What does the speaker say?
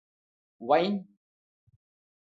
wine